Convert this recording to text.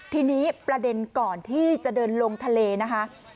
ทีนี้ประเด็นก่อนที่จะเดินลงทะเลนะคะ